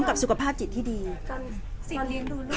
แต่ว่าสามีด้วยคือเราอยู่บ้านเดิมแต่ว่าสามีด้วยคือเราอยู่บ้านเดิม